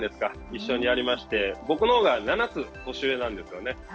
一緒にやりまして、僕のほうが７つ年上なんですよね。